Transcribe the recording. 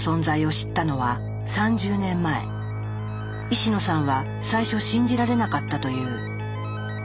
石野さんは最初信じられなかったという。